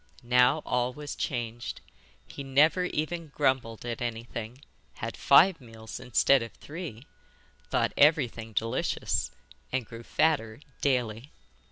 Now all was changed. He never even grumbled at anything, had five meals instead of three, thought everything delicious, and grew fatter daily.